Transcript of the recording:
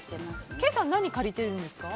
ケイさんは何を借りてるんですか？